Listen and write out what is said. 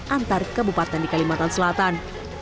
antar kabupaten di kalimantan selatan